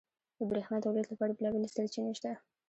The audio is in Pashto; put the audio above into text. • د برېښنا تولید لپاره بېلابېلې سرچینې شته.